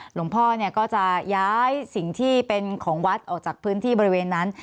หลวงพ่อเนี่ยก็จะย้ายสิ่งที่เป็นของวัดออกจากพื้นที่บริเวณนั้น